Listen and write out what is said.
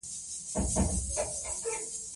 افغانستان د زمرد د ترویج لپاره پروګرامونه لري.